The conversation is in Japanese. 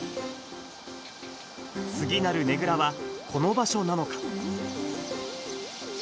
次なるねぐらはこの場所なのか。